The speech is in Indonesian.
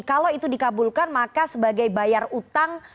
kalau itu dikabulkan maka sebagai bayar utang